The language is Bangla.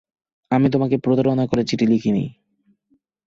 আমি তোমাকে প্রতারণা করে চিঠি লিখি নি।